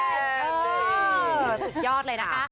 สุดยอดเลยนะคะ